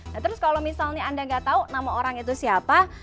nah terus kalau misalnya anda nggak tahu nama orang itu siapa